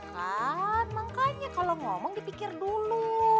kan makanya kalau ngomong dipikir dulu